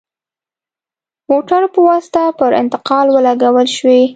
موټرو په واسطه پر انتقال ولګول شوې.